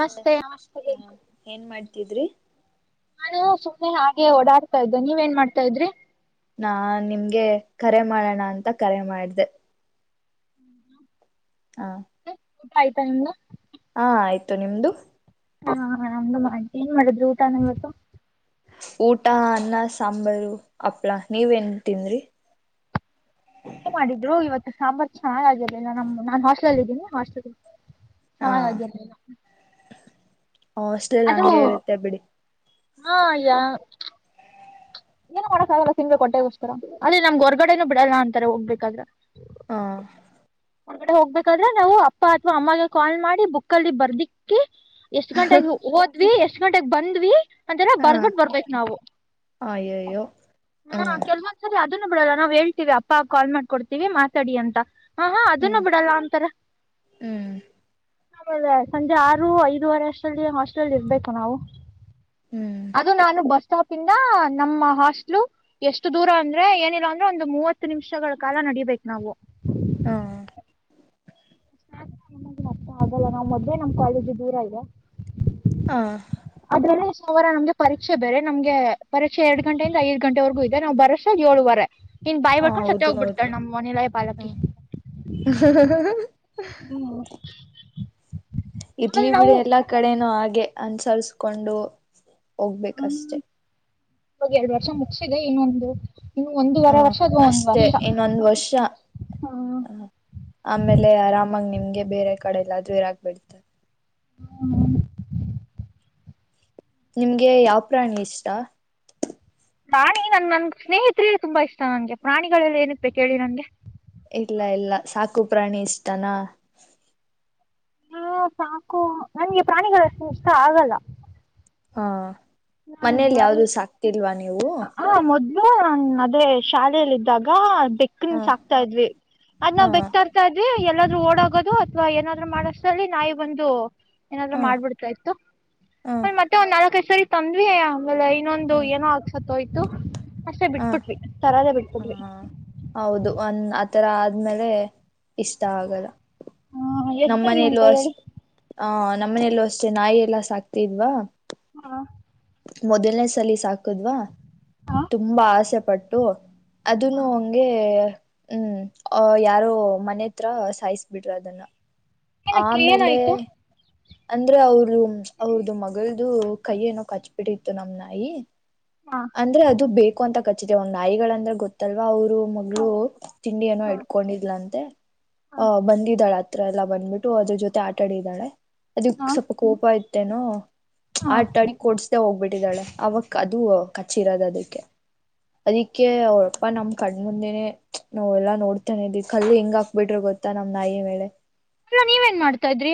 ನಮಸ್ತೆ ಹ ಏನ್ ಮಾಡ್ ಇದಿದ್ರೆ ನಾನು ಸುಮ್ಮನೆ ಹಾಗೆ ಓಡಾಡ್ತಾ ಇದ್ದೆ ನೀವ ಏನ್ ಮಾಡ್ತಾ ಇದ್ರಿ ನಾ ನಿಮ್ಗೆ ಕರೆ ಮಾಡೋಣ ಅಂತ ಕರೆ ಮಾಡ್ದೆ ಹಾ ಹ್ಮ ಊಟ ಆಯ್ತಾ ನಿಮ್ದ? ಹಾ ಆಯ್ತು ನಿಮ್ದು, ಹಾ ನಮ್್ದು ಮಾಡ ಏನ್ ಮಾಡಿದ್ರು ಊಟ ನಿವತ್ತು ಊಟ ಅನ್ನ ಸಾಂಬಾರು ಹಪ್ಳಾ ನೀವೇನ್ತನ್್ರಿ ಇಷ್ಟೆ ಮಾಡಿದ್ರು ಇವತ್ತು. ಹಂಬತ್ ಚಾ ಆಿಲ್ಲಲ್ಲ ನಮ್ಮ್ ನಾನ್ ಹೊಾಸ್ಟೆಲ್ಲ ಇದೀನಿ ಹೊಾಸ್ಟ ಹ ಹಾ ಹಾಗೆಲ್ಲ. ಹೊಸ್ಲೇಲ್ ಹಂಗೆ ಇರುತ್ತೆ ಬಿಡಿ. ಹಾ ಯಾ. ಏನ ಮಾಡಕ್ಕಾಗಲ್ಲ ಸಿಮೆ ಕೊಟ್ಟೆಗೋಸ್ಕರ ಅಲ್ಲಿ ನಮ್ಗೆ ಹೊರ್ಗಡೆನೂ ಬಿಡಲ್ಲ ಅಂತಾರೆ ಹೋಗ್ಬೇಕಾದ್ರೆ. ಹಾ. ಒಂದ್ಗಡೆ ಹೋಗ್ಬೇಕಾದ್ರೆ ನಾವು ಅಪ್ಪ ಅಥವಾ ಅಮ್ಮಗೆ ಕಾಲ್ ಮಾಡಿ ಬುಕ್ಲ್ಲಿ ಬರ್ದಿಕ್ಕಿ. ಎಷ್ಟ್ ಗಂಟಾಗಿ ಹೋದ್ವಿ ಎಷ್ಟ. ಎಷ್ಟ ಗಂಟೆಗೆ ಬಂದ್ವಿ. ಅಂತ ಹ ಬರ್ಬಿಟ್ಟ ಬರ್ಬೇಕ ನಾವು ಅಯ್ಯಯ್ಯೋ ಹ್ಮ ಕೆೊಂದ. ಅ ಬಿಡಲ್ಲ ನಾವ್ ಹೇಳ್ತೀವಿ ಅಪ್ಪ ಕಾಲ್ ಮಾಡ್ಕೊಡ್ತೀವಿ ಮಾತಾಡಿ ಅಂತ. ಹಾ ಹಾ ಅದನ್ನು ಹ್ಮ್ ಬಿಡಲ್ಲ ಒಂತರ. ಹ್ಮ್ ಆೇ ಸಂಜೆ ಆರು ಐದುವರೆ ಅಷ್ಟಲ್ಲಿ ಮಸ್ಲ್ಲಿ ಇರ್ಬೇಕು ನಾವು. ಹ್ಮ್ ಅದು ನಾನು ಬಸ್ ಸ್ಟಾಪ್. ಇಿಂದ ನಮ್ಮ ಹಾಸ್ಟ್ಲು ಎಷ್ಟು ದೂರ ಅಂದ್ರೆ ಏನಿಲ್ಲ ಅಂದ್ರೆ ಒಂದು ಮೂವತ್ತು ನಿಮಿಷಗಳ ಕಾಲ ನಡಬೇಕಕ್ ನಾವು. ಹಾ. ಮ ಹಾಗಲ್ಲ ನಾ್ ಮದ್ೆೇ ನಮ್ಮ್ಾಲೇಜ್ ದೂರ ಇದೆ. ಹ ಅದ್ರಲ್ಲ ಎಷ್ಟ. ಸೋಮವಾರ ನಮಗೆ ಪರೀೆ ಬರೆ ನಮಗೆ ಪರೀಕ್ಷೆ ಎರ ಗಂಟೆಯಿಂದ ಐದು ಗಂಟೆವರೆಗೂ ಇದೆ ನಾವು ಬರಸ ಏಳುವರೆ. ಇನ್ ಬಾಯಿ ಬರ್ಕೊಂಡ್ ಸತ್ತ ಹೌದು ಹೌದು ಹೋಗ್ಬಿಡ್ತಾಳ ನಮ್ ಮನಲಾಯ ಪಾಲಕಿ. ಹ್ಮ್. ಇರ್ಲಿ ಬಿಡಿ ಎಲ್ಲಾ ಕಡೆನೂ ಆಗ್ಲಿ ಗೆ ಅನುಸರಿಸಕೊಂಡು ಹೋಗ್ಬೇಕಷ್ಟೆ. ಇವಾಗ ಎರಡ್ ವರ್ಷ ಮುಗಸಿದೆ ಇನ್ನೊಂದು. ಇನ್ನು ಒಂದೂವರೆ ಹ್ಮ ವರ್ಷ ಅಥವಾ ಒಂದು ಅಷ್ಟೇ ವರ್ಷ ಇನ್ನೊಂದ್ ವರ್ಷ ಆ, ಹ್ಮ್ ಆಮೇಲೆ ಆರಾಮಾಗ ನಿಮ್ಗೆ ಬೇರೆ ಕಡೆಲ್ಲಾದ್ರು ಇರಕ್ ಬಿಡ್ತಾರೆ ಹ್ಮ. ನಿಮ್ಗೆ ಯಾವ್ ಪ್ರಾಣಿ ಇಷ್ಟ. ಪ್ರಾಣಿ ನನ್ ನನ್ಗೆ ಸ್ನೇಹಿತರಲ್ಲಿ ತುಂಬಾ ಇಷ್ಟ ನಂಗೆ ಪ್ರಾಣಿಗಳೆಗಳಲ್ಲಿ ಏನ ಬೇಳಿ ನನ್ಗೆ. ಇಲ್ಲ ಇಲ್ಲ ಸಾಕು ಪ್ರಾಣಿ ಇಷ್ಟನಾ. ಹಾ ಸಾಕು ನನ್ಗೆ ಪ್ರಾಣಿಗಳಷ್ಟು ಇಷ್ಟ ಆಗಲ್ಲ. ಹಾ. ನನ್ ಮನೇಲಿ ಬರಿ ಯಾವ್ದು ಸಾಕ್ತಿಲ್ವಾ ನೀವು? ಹ ಮೊದ್ಲು ಹೇ ಶಾಲೆಯಲ್ಲಿ ಇದಿದ್ದಾಗ. ಹ ಬೆಕ್ಕನ್ ಸಾಕ್ತಾ ಇದ್ವಿ ಅದ್ ಹ ನಾವು ಬೆಕ್ ತರ್ತಾ ಇದ್ವಿ ಎಲ್ಲ ಓಡಾಗೋದು ಅಥವಾ ಏನಾದ್ರು ಮಾಡಷ್ಟ್ರಲ್ಲಿ ನಾಯಿ ಬಂದು ಏನಾದ್ರೂ ಹ ಮಾಡ್ಬಿಡ್ತಾ ಇತ್ತು ಹ ಮ ಮತ್ತೆ ಒಂದ್ ನಾಲಕ್ ತಂದ್ವಿ ಆಮೇಲೆ ಇನ್ನೊಂದು ಹ ಏನೋ ಆಗ್ಸತ್ತೋಯ್ತು [unintelligible] ಅಷ್ಟೆ ಹ ಬಿಟ್ಬುಟ್ವಿ ತರದೇ ಬಿಟ್ಬಿಟ್ವಿ ಈ ತರ ಆದ್ಮೇಲೆ ಇಷ್ಟ ಆಗಲ್ಲ ಹಾ ಎಷ್ಟ್ ಸರಿ ಅಂತ ನಮ್ಮನೇಲ್ಲೂ ಹೇಳಿ ಅಷ್ಟ ಹ ನಮ್ಮ ಮನೆಯಲ್ಲೂ ಅಷ್ಟೆ ನಾಯಿ ಎಲ್ಲ ಸಾಕ್ತಿದ್ವಾ ಹಾ ಮೊದಲ್ನೇ ಸಲಿ ಸಾಕದ್ವಾ ಹಾ ತುಂಬಾ ಆಸೆ ಪಟ್ಟು ಅದನು ಹಂಗೆ ಹ್ಮ್ ಅ ಯಾರೋ ಮನೆ ಹತ್ರ ಸಾಯಸ್ ಬಿಟ್ರು ಅದನ್ನ ಏನಕ್ಕೆ ಆಮೇಲೆ ಏನಾಯ್ತು ಅಂದ್ರೆ ಅವರು ಅವ್ರ್ದ ಮಲ್ದು ಕೈ ಏನೋ ಕಚ್ಬಿಟ್ಟಿತ್ತು ನಮ್ ನಾಯಿ ಹಾ ಅಂದ್ರೆ ಅದು ಬೇಕು ಅಂತ ಕ [unintelligible] ಒಂದ್ಾಯಿಗಳ ಅಂದ್ರೆ ಗೊತ್ತಲ್ವ ಅವ್ರು ಮಗಳು ಹೌದು ತಿಂಡಿಯ ನೋ ಹಾ ಇಟ್ಕೊಂಡಿದ್ಲ ಅಂತೆ ಹಾ ಹ ಬಂದಿದ್ದಾಳ ಹತ್ರ ಎಲ್ಲ ಬಂದ್ಬಿಟ್ಟು ಅದ್ರ ಜೊತೆ ಆಟ ಆಡಿದ್ದಾಳೆ ಹಾ ಅದಕ್ ಸ್ವಲ್ಪ ಕೋಪ ಆಯ್ತು ೆ ನ ಹಾ ಆಡಿಿ ಕೊಡ್ಸ್ ಹೋಗ್ಬಿಟ್ಟಿದ್ದಾಳೆ ಅವಕ್ ಅದು ಕಚಿರೋದ ಅದಕ್ಕೆ ಅದಿಕ್ಕೆ ಅವ್ರಪ್ಪಾ ನಮ್ ಕಣ್ಮಂದೆನನೆ ನಾವ ಎಲ್ಲಾ ನೋಡ್ತಾನ ಇದಿವಿ ಕಲ್ಲಿ ಹೆಂಗ ಹಾಕ್ಬಿಟ್ರರು ಗೊತ್ತಾ ನಮ್ ನಾಯಿ ಮೇಲೆ ಅಲ್ಲ ನೀವೇನ್ ಮಾಡ್ತಾ ಇದ್ರಿ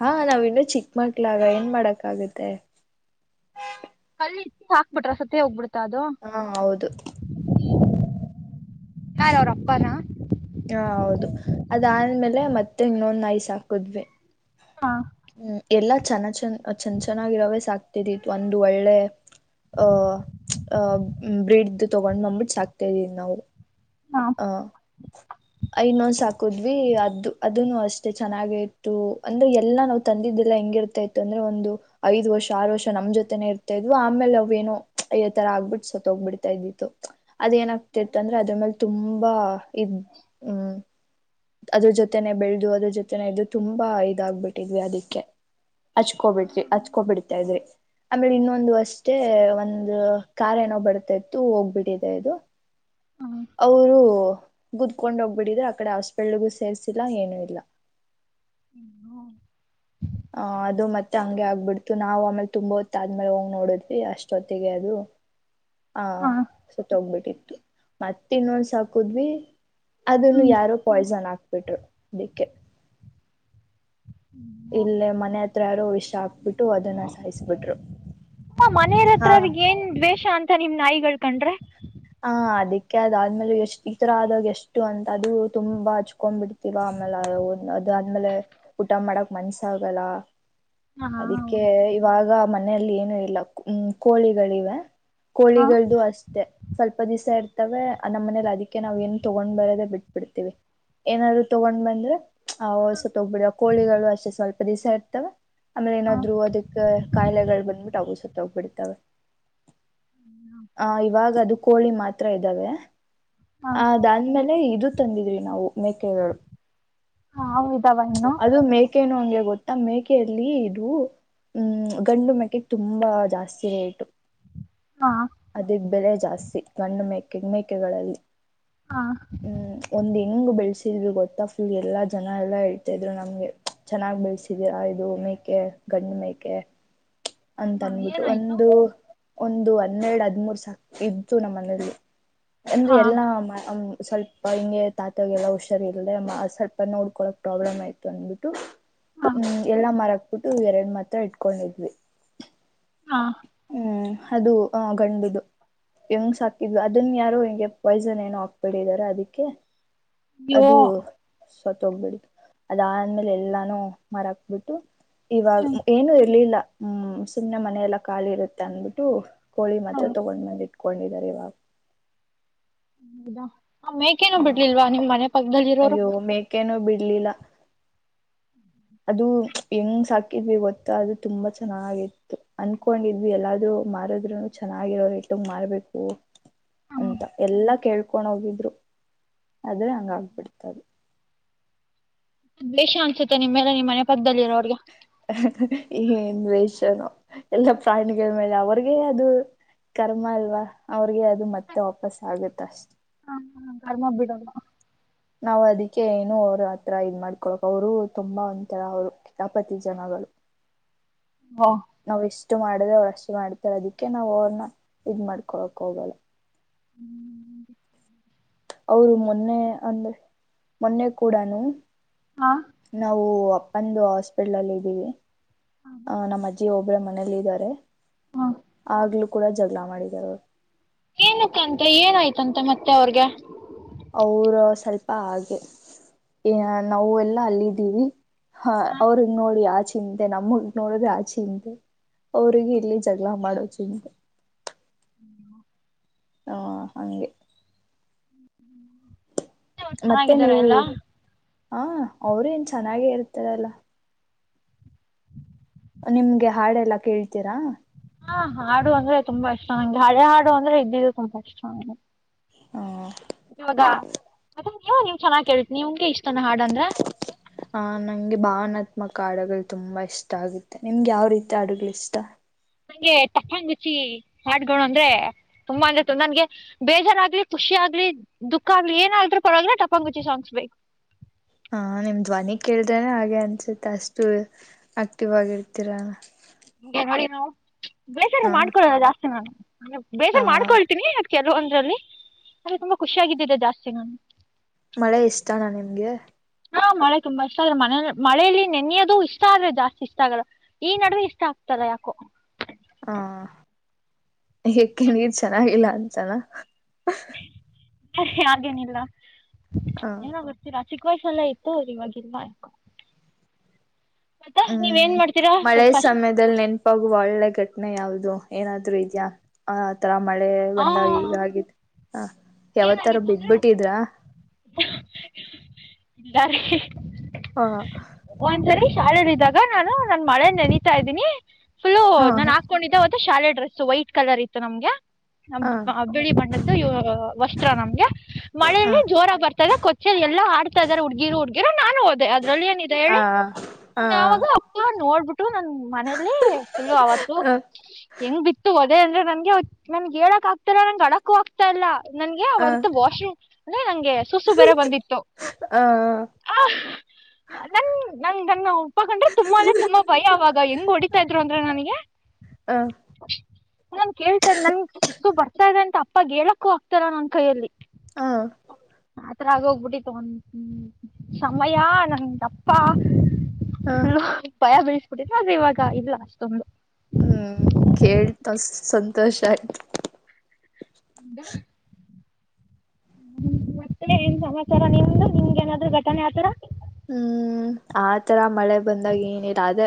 ಹಾ ನಾವ್ ಇನ್ನು ಚಿಕ್ಕ ಮಕ್ಳಾಗ ಏನ್ ಮಾಡಕ್ಕ ಆಾಗುತ್ತೆ ಇ ಹಾಕ್ಬಿ್ರ ಸ ಹೋಗ್ಬಿಟ್ಟ ಹಾ ಹೌದು ಹಾನ್ ಅವ್ರಪ್ಪಾನ ಹಾ ಹೌದು ಅದಾದ್ಮೇಲೆ ಮತ್ತೆ ನೊಂದ ನಾಯಸ್ ಹಾಕದ್ವಿ ಹಾ. ಹ್ಮ್ ಎಲ್ಲಾ ಚೆನ್ನ ಚಂದ ಚಂದ ಚೆನ್ನಾಗಿರೋವೇ ಸಾಕ್ತಿದಿತ್ ಒಂದು ಒಳ್ಳೆ ಅಹ ಅಹ ಬ್ರಿಡ್ ತಗೊಂಡ್ ಬಂದ್ಬಿಟ್ಟ ಸಾಕ್ತಿದವಿ ನಾವು. ಹಾ ಹ. ಐನ್ನೊಂದ ಸಾಕುದ್ವಿ ಅದದು ಅದನು ಅಷ್ಟೇ ಚೆನ್ನಾಗೆ ಇತ್ತು ಅಂದ್ರೆ ಎಲ್ಲಾ ನಾವ್ ತಂದಿದ್ದೆಲ್ಲ ಹೆಂಗಿರ್ತಾ ಇತ್ತು ಅಂದ್ರೆ ಒಂದು ಐದ್ ವರ್ಷ ಆರು ವರ್ಷ ನಮ್ ಜೊತೆನೆ ಇರ್ತಾ ಇದ್ವಿ ಆಮೇಲೆ ಅವ್ ಏನೋ ಅ ತರ ಆಗ್ಬಿಟ್ಟ ಸ ಹೋಗ್ಬಿಡ್ತಾ ಇದ್ದಿತ್ತು. ಅದೇಏನಾಗಗ್ತಿತ್ತ ಅಂದ್ರೆ ಅದ ಮೇಲೆ ತುಂಬಾ. ಬಾ. ಇದು. ಅದ್ರ ಜೊತೆನೆ ಬೆಳೆ್ದದು ಅದ್ರ ಜೊತೆನೆ ಇದು ತುಂಬಾ ಇದಾಗಬಿಟ್ಟಿದ್ವಿ ಅದಿಕ್ಕೆ ಹಚ್ಕೋಬಿಟ್ರಿ ಹಚ್ಕೋಬಿಡ್ತಾ ಇದ್ರಿ ಆಮೇಲೆ ಇನ್ನೊಂದು ಅಷ್ಟೇ ಒಂದು ಕಾರ್ ಏನೋ ಬರ್ತ ಇತ್ತು ಹೋಗ್ಬಿಟ್ಟಿದೆ ಇದು. ಕೂತ್ಕೊಂಡ ಹೋಗ್ಬಿಡಿದ್ರೆ ಆ ಕಡೆ ಹಾಸ್ಪಿಟ್ಲ್ಗೂ ಸೇರ್ಸಿಲ್ಲ ಏನು ಇಲ್ಲ. ಹ್ಮ ಹ್ಮ. ಹ ಅದು ಮತ್ತೆ ಹಂಗೆ ಆಗ್ಬಿಡ್ತು ನಾವವು ಆಮೇಲೆ ತುಂಬ ಹೊತ್ತ ಆದ್ಮೇಲೆ ಹೋಗ್ ನೋಡಿದ್ವಿ ಅಷ್ಟೊತ್ತಿಗೆ ಅದು. ಆ ಹಾ ಸುತ್ತ ಹೋಗ್ಬಿಟ್ಟಿತ್ತು. ಮತ್ತ ಇನ್ನೊಂದ್ ಸಾಕುದ್ವಿ ಅದನ್ನು ಹ್ಮ್ ಯಾರೋ ಪಾಯ್ಸನ್ ಹಾಕ್ಬಿಟ್ರು ಅದಿಕ್ಕೆ. ಇಲ್ಲೇ ಮನೆ. ಹತ್ರಾರರು ಇಷ್ಟ ಹಾಕ್ಬಿಟ್ಟು ಅದನ್ನ ಸಾಯಿಸಬಿಟ್ರು. ಮನೆಯ ಹತ್ರದ ಏನ್ ದ್ವೇಷ ಅಂತ ನಿಮ್ ನಾಯಿ. ಕೇಳ್ಕೊಂಡ್ರೆ. ಹ ಅದಕ್ಕೆ ಅದಾದ್ಮೇಲೆ ಎಷ್ಟ್ ಈತರ ಆದಾಗ ಎಷ್ಟು ಅಂತ ಅದು ತುಂಬಾ ಹಚ್ಕೊಂಡ್ ಬಿಡ್ತಿವ ಆಮೇಲೆ ಅದ ಆದ್ಮೇಲೆ ಊಟ ಮಾಡಕ್ ಮನ್ಸ ಆಾಗಲ್ಲ. ಹಾ ಅದಿಕ್ಕೆ ಹೌದು ಇವಾಗ. ಮನೆಯಲ್ಲಿ ಏನು ಇಲ್ಲ ಹ್ಮ ಕೋಳಿಗಳಿವೆ. ಹಾ ಕೋಳಿಗಳದು ಅಷ್ಟೇ. ಸ್ವಲ್ಪ ದಿವಸ ಇರ್ತವೆ ಅ ನಮ್ಮ ಮನೇಲಿ ಅದಕ್ಕೆ ನಾವ್ ಏನ್ ತಗೊಂಡ್ ಬರೋದೆ ಬಿಟ್ಬಿಡ್ತೀವಿ ಏನಾದ್ರು ತಗೊಂಡ್ ಬಂದ್ರೆ ಅವ ಸತ್ತ ಹೋಗ್ಬಿಡ ಕೋಳಿಗಳು ಅಷ್ಟೆ ಸ್ವಲ್ಪ ದಿವಸ ಇರ್ತವೆ ಆಮೇಲೆ ಹಾ ಏನಾದ್ರು ಅದಕ್ ಕಾಯಿಲೆಗಳು ಬಂದ್ಬಿಟ್ಟು ಅವು ಸತಹೊಗ್ಬಿಡ್ತವೆ ಆಹ ಇವಾಗ ಅದಕ್. ಕೋಳಿ ಮಾತ್ರ ಇದ್ದಾವೆ ಹಾ ಅ ಅದಾದ್ಮೇಲೆ ಇದು ತಂದಿದ್ರಿ ನಾವು ಮೇಕೆಗಳು. ಹಾ ಹೌದು. ಅದು ಮೇಕೆನು ಹಂಗೆ ಗೊತ್ತ. [unintelligible] ಮೇಕೆಯಲ್ಲಿ ಇದು ಹ್ಮ್ ಗಂಡು ಮೇಕೆಗೆ ತುಂಬಾ ಜಾಸ್ತಿ ರೇಟು. ಹಾ. ಅದಕ್ಕ ಬೆಲೆ ಜಾಸ್ತಿ ಗಂಡು ಮೇಕೆ ಮೇಕೆಗಳಲ್ಲಿ ಹಾ ಹ್ಮ್ ಒಂದ್ ಹೆಂಗ ಬೆಳೆಸಿದೀವಿ ಗೊತ್ತಾ ಫುಲ್ ಎಲ್ಲಾ ಜನ ಎಲ್ಲಾ ಹೇಳ್ತಾ ಇದ್ರು ನಮ್ಗೆ ಚೆನ್ನಾಗ್ ಬೆಳೆಸಿದೀರಾ ಇದು ಮೇಕೆ ಗಂಡ ಮೇಕೆ. ಅಂತ ಹಾ ಅಂದ್ಬಿಟ್ಟು ಏನಾಯ್ತು ಒಂದು. ಒಂದು ಹನ್ನೆರಡು ಹದ್ಮೂರ್ ಸಾಕ ಇದ್ದತ್ತು ನಮ್ಮ ಮನೆಯಲ್ಲಿ ಅನ್ ಹಾ ಎಲ್ಲಾ ಸ್ವಲ್ಪ ಹಿಂಗೆ ತಾತಾಗ ಎಲ್ಲ ಹುಷಾರ ಇರ್ದೆ ಸ್ವಲ್ಪ ನೋಡ್ಕೊಳಕ್ ಪ್ರಾಬ್ಲಮ್ ಆಯ್ತು ಅಂದ್ಬಿಟ್ಟು ಹಾ ಹ್ಮ್ ಎಲ್ಲ ಮರಾಕ್ ಬಿಟ್ಟು ಎರಡು ಮಾತ್ರ ಇಟ್ಕೊಂಡಿದ್ವಿ ಹಾ ಹ್ಮ್ ಅದು ಗಂಡಿದು ಹೆಂಗ್ ಸಾಕಿದ್ು ಅದನ್ ಯಾರು ಹಿಂಗೆ ಪಾಯ್ಸನ್ ಏನು ಹಾಕ್ಬಿಡಿದಾರ ಅದಕ್ಕೆ ಅಯ್ಯೋ ಅದು ಸತ್ ಹೋಗ್ಬಿಟತ್ತು ಅದಾದ್ಮೇಲೆ ಎಲ್ಲಾನು ಮರಾಕ್ ಬಿಟ್ಟು ಹ್ಮ್ ಇವಾಗ ಏನು ಇರ್ಲಿಲ್ಲ ಹ್ಮ ಸುಮ್ಮನೆ ಮನೆಯಲ್ಲ. ಖಾಲಿ ಇರತ್ತೆ ಅಂದಬಿಟ್ಟು. ಕೋಳಿ ಹಾ ಮಾತ್ರ ತಗೊಂಡ್ ಬಂದಿ. ಕೊಂಡಿದ್ದಾರೆ ಇವಾಗ. ಹೌದ. ಆ ಮೇಕೇನು ಹ ಬಿಡ್ಲಿಲ್ವಾ ನಿಮ್ ಮನೆ ಪಕ್ಕದಲ್ಲಿ ಇರೋರು. ಅಯ್ಯೋ ಮೇಕೆನೂ ಬಿಡ್ಲಿಲ್ಲ ಅದು ಹೆಂಗ್ ಸಾಕಿದ್ವಿ ಗೊತ್ತಾ ಅದು ತುಂಬಾ ಚೆನ್ನಾಗಿತ್ತು ಅನ್ಕೊಂಡಿದ್ವಿ ಎಲ್ಲಾದ್ರು ಮಾರುದ್ರುನು ಚೆನ್ನಾಗಿರೋ ರೇಟ್ಗ್ ಮಾರ್ಬೇಕು. ಹ್ಮ್. ಅಂತ ಎಲ್ಲಾ ಕೇಳ್. [unintelligible] ಹೋಗಿದ್ರು. ಆದ್ರೆ ಹಂಗ್ ಆಗ ಬಿಟ್ಟತ್ತದು. ದ್ವೇಷ ಅನ್ಸುತ್ತೆ ನಿಮ್ ಮೆಲೆ ನಿಮ್ಮ ಮನೆ ಪಕ್ದಲ್ಲಿ ಇರೋರಿಗೆ. [unintelligible] ಏನ್ ದ್ವೇಷಾನೊ. ಎಲ್ಲ ಪ್ರಾಣಿಗಳ ಮೇಲೆ ಅವ. ಅವ್ರಿಗೆ ಅದು ಕರ್ಮ ಅಲ್ವಾ ಅವ್ರಿಗೆ ಅದು ಮತ್ತೆ ವಾಪಸ್ ಆಗತ್ತ ಅಷ್ಟೇ. ಹ ಕರ್ಮ ಬಿಡಲ್ಲ. ನಾವು ಅದಕ್ಕೆ ಏನು ಅವ್ರ ಹತ್ರ ಇದ್ ಮಾಡ್ಕೊಳ್ಕ್ ಅವರು ತುಂಬಾ ಒಂಥರ ಅವ್ರು ಕಿತಾಪತಿ ಜನಗಳು. ಓ ನಾವ ಎಸ್ಟ್. ಮಾಡಿದ್ರೆ ಅವ್ರು ಅಷ್ಟ ಮಾಡ್ತಾರೆ ಅದಕ್ಕೆ ನಾವ್ ಅವ್ರನ್ನ ಇದ್ ಮಾಡ್ಕೊಳಕ್ ಹೋಗಲ್ಲ. ಹ್ಮ್. ಅವರು ಮೊನ್ನೆ ಅಂದ್ರೆ ಮೊನ್ನೆ ಕೂಡನು. ಹಾ ನಾವು. ಒಂದು ಹಾಸ್ಪಿಟ್ಲ್ ಅಲ್ಲಿ ಇದ್ದೀವಿ. ಹ ನಮ್ಮ ಅಜ್ಜಿ ಒಬ್ಬಳೆ ಮನ. ನಲ್ಲಿ ಇದಾರೆ ಹಾ ಆಗ್ಲೂ ಕೂಡ ಜಗಳ ಮಾಡಿದ್ದಾರೆ ಅವ್ರು. ಏನಕ್ಕಂತೆ ಏನಾಯ್ತಂತೆ ಮತ್ತೆ ಅವ್ರಗೆ. ಅವರ ಸ್ವಲ್ಪ ಹಾಗೆ ಏ ನಾವ ಎಲ್ಲಾ ಅಲ್ಲಿದ್ದೀವಿ. ಹಾ ಅವ್ರುಗ್ ನೋಡಿ ಆಚೆ ಚಿಂತೆೆ ನಮ್ಮಗ್ ನೋಡಿದ್ರೆ ಆ ಚಿಂತೆೆ ಅವ್ರಿಗೆ ಇಲ್ಲಿ ಜಗಳ ಮಾಡದು ಚಂದ ಹಾ ಹಂಗೆ ಹ್ಮ್ [unintelligible] ಚೆನ್ನಾಗಿದಾರೆ ಅಲ್ಲಾ. ಹಾ ಅವರು ಏನ್ ಚೆನ್ನಾಗೆ ಇರ್ತಾರಲ್ಲ. ನಿಮ್ಗೆ ಹಾಡೆಲ್ಲ ಕೇಳ್ತೀರಾ? ಹಾ ಹಾಡು ಅಂದ್ರೆ ತುಂಬಾ ಇಷ್ಟ ನಂಗೆ ಹಳೆ ಹಾಡು ಅಂದ್ರೆ ಇದ್ದಿದ್ದು ತುಂಬಾ ಇಷ್ಟ ನಂಗೆ, ಹ್ಮ ಇವಾಗ ಮತ್ತೆ ನೀವು ನೀವ್ ಚೆನ್ನಾಗಿ ಕೇಳ್ತಿನಿ ನಿಮ್ಗೆ ಇಷ್ಟ. ಹಾ ನಂಗೆ ಬಾನ ಮಕ್ಕ ಹಾಡುಗಳು ತುಂಬಾ ಇಷ್ಟ ಆಗುತ್ತೆ ನಿಮ್ಗೆ ಯಾವ ರೀತಿ ಹಾಡುಗಳು ಇಷ್ಟ ನಂಗೆ ಟಪಾಂಗುಚಿ ಹಾಡ್ಗಳು ಅಂದ್ರೆ ತುಂಬಾ ಅಂದ ನನ್ಗೆ ಬೇಜಾರಾಗ್ಲಿ ಖುಷಿ ಆಗ್ಲಿ ದುಃಖ ಆಗ್ಲಿ ಏನಾದ್ರು ಪರವಾಗಿಲ್ಲ ಟಪಾಂಗುಚಿ ಸಾಂಗ್ಸ್ ಬೇಕು. ಹಾ ನಿಮ್ ಧ್ವನಿ ಕೇಳ್ರೇನೆ ಹಾಗೆ ಅನ್ಸುತ್ತೆ ಅಷ್ಟು ಆಕ್ಟಿವ್ ಆಗಿರ್ತೀರ ನಿಗೆ ಮಾಡಿ ನಾವ ಬೇಸ ಹ ಮಾಡ್ಕೊಳೋ ಜಾಸ್ತಿ ನಾನು ಹ ಬೇಜಾರ ಮಾಡ್ಕೊಳ್ತೀನಿ ಕೆಲ ಅಂದ್ರಲ್ಲಿ ಅಲ್ಲಿ ತುಂಬಾ ಖುಷಿಯಾಗಿದ್ದಿದೆ ಜಾಸ್ತಿ ನಾನು ಮಳೆ ಇಷ್ಟನಾ ನಿಮ್ಗೆ. ಹಾ ಮಳೆ ತುಂಬಾ ಇಷ್ಟ ಅ ಮನ ಮಳೇಯಲ್ಲಿ ನೆನೆಯೋದು ಇಷ್ಟ ಆದ್ರೆ ಜಾಸ್ತಿ ಇಷ್ಟ ಆಗಲ್ಲ ಈ ನಡುವೆ ಇಷ್ಟ ಆಗ್ತಲ್ಲ ಯಾಕೋ ಹಾ ಏಕೆ ನೀರ್ ಚೆನ್ನಾಗಿ. ಹಾಗೆನಿಲ್ಲ ಹ ಏನ ಬರ್ತೀರಾ. ಚಿಕ್ಕ ವಯಸ್ಸಲ್ಲೇ ಇತ್ತು ಅದರ ಇವಾಗಿಲ ಆ ಎಪ್ಪ. ಹ್ಮ್ ಮಳೆ ಸಮಯದಲ್ಲಿ ನೆನಪಾಗ ಒಳ್ಳೆ ಘಟನೆ ಯಾವುದು? ದು ಏನಾದ್ರು ಇದೆಯಾ ಆ ತರ. ಮಳೆ ಬಂದಾಗ ಹಾಂ ಈಗ ಆಗಿದೆ. ಹ ಯಾವತ್ರ ಏನಾಗಿತ್ತು ಬಿದ್ದಬಿಟ್ಟಿದ್ರ. ಇಲ್ಲಾ ರೀ. ಹಾ ಶಾಲೆಲಿ ಇದ್ದಾಗ ನಾನು ನಾನ್ ಮಳೆಲಿ ನೆನಿತಾ ಇದಿನಿ. ಫುಲ್ಲ ಹಾ ನಾನ್ ಹ ಹಾಕೊಂಡಿದ್ದ. ಶಾಲೆ ಡ್ರೆಸ ವೈಟ್ ಕಲರ್ ಇತ್ತು ನಮ್ಗೆ ಹ ಬಳಿ ಬಣ್ಣದ್ದು ನಮ್ಗೆ ಹ ಮಳೆಯಲ್ಲಿ ಹ ಜೋರ ಬರ್ತದೆ ಕೊಚ್ಚ ಎಲ್ಲ ಆಡತಾ ಇದಾರೆ ಹುಡ್ಗಿರು ಹುಡ್ಗಿರು ನಾನು ಹೋದೆ ಇದ್ರಲ್ಲಿ ಏನಿದೆ ಹೇಳಿ ಹ ಯಾವಾಗ ಹ ಅಕ್ಕ ನೋಡ್ಬಿಟ್ಟು ಟ್ಟು ನನ್ನ ಮನೇಲಿ ಫುಲ್ಲ ಅವತ್ತು ಹೆಂಗ್ ಬಿತ್ತು ಅದೇ ಅಂದ್ರೆ ನಂಗೆ ನನ್ಗೆ ಹೇಳಕ್ ಆಗ್ತಲ್ಲ ನಂಗೆ ಅಳಕು ಆಗ್ತಾ ಇಲ್ಲ ನನ್ಗೆ ಅವತ್ತು ವಾಷ್ರೂಮ್ ನಂಗೆ ಸುಸು ಬೇರೆ ಬಂದಿತ್ತು ಹ ನ ನ ನನ್ನ ಅಪ್ಪ ಕಂಡರೆ ತುಂಬಾ ಅಂದ್ರೆ ತುಂಬಾ ಭಯ ಅವಾಗ ಹೆಂಗ ಹೊಡಿತಾ ಇದ್ರು ಅಂದ್ರೆ ನನಗೆ ಹ ನನ್ ಕೇಳ್ತಾ ನನ್ ಸುಸು ಬರ್ತ. ಗದ ಅಂತ ಅಪ್ಪಗ ಹೇಳಕ. ಇತ್ತರ ನ ನನ್ನ ಕೈಯಲ್ಲಿ. ಹಾ ಆತರ ಆಗೋಗ್ಬಿಟ್ಟಿತ್ತು ಒ ಸಮಯ ನಂಗ ತಪ್ಪಾ. ಹ ನ ಭಯ ಬಿಳ ಕುಡಿಲ್ಲ ಆದರ ಇವಾಗ ಇದು ಇಲ್ಲ ಅಷ್ಟೊಂದುಂದು ಹ್ಮ್ ಕೇಳ್ತಾ ಸಂತೋಷ ಆಯ್ತು ಇಾ. ಹ್ಮ ಮತ್ತೆ ಏನ್ ಸಮಾಚಾರ ನಿಮ್ದು ನಿಮ್ಗೆ ಏನಾದ್ರು ಘಟನೆ ಆತರ. ಹ್ಮ್ ಆತರ ಮಳೆ ಬಂದಾಗ ಏನಿಲ್ಲ ಅದೇ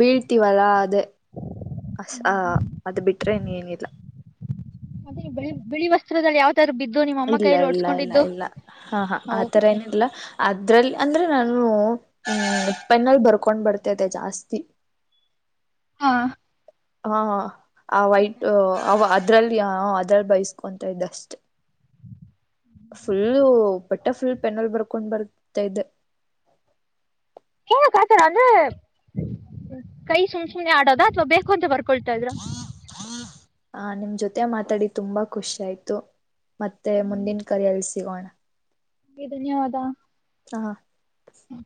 ಬೀಳ್ತೀವಲ್ಲಾ. ಅದೇ ಅ ಅದು ಬಿಟ್ರೆನು ಏನಿಲ್ಲ. ಚತ್ರದಲ್ಲಿ ಇಲ್ಲ ಇಲ್ಲ ಇಲ್ಲ ಇಲ್ಲ ಹಾ ಹಾ ಆ ಹೌದು ತರ ಏನ ಇಲ್ಲ ಅದ್ರಲ್ಲಿ ಅಂದ್ರೆ ನಾನ ಹ ಹ್ಮ್ ಉಪ್ಪೆನಲ್ ಬರ್ಕೊಂಡ್ ಬರ್ತತೆ ಜಾಸ್ತಿ ಹಾ ಹಾ ಆ ವೈಟ್ ಅದ್ರಲ್ಲಿ ಅದ್ರಲ್ಲಿ ಬೈಸ್ಕೊತ ಇದ್ದಷ್ಟೇ. ಫುಲ್ಲು. ಪಟ್ಟ ಫುಲ್ ಪೆನಲ್ ಬರ್ಕೊಂಡ್ ಬರ್ತಾ್ದೆ. ಆ ಏನಕ್ಕೆ ಅಂದ್ರೆ ಕೈ ಸುಮ್ ಸುಮ್ನೆ ಆಡೋದ ಅಥವಾ ಬೇಕು ಅಂತ ಬರ್. ಕೊಳ್ತಾ ಇದ್್ರರು. ಆ ನಿಮ್ ಜೊತೆ ಮಾತಾಡಿ ತುಂಬಾ ಖುಷಿ ಆಯ್ತು. ಮತ್ತೆ ಮುಂದಿನ ಕರಿ ಎಲ್ಸ. ಗಣ. ಹಗೆ ನ್ಯವದಾ. ಹಾ. ಹ್ಮ್.